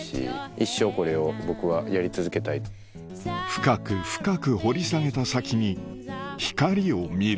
深く深く掘り下げた先に光を見る